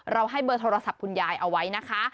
เราให้เบอร์โทรศัพท์คุณยายเอาไว้